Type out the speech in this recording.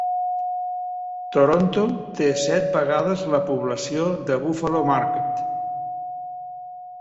Toronto té set vegades la població de Buffalo Market.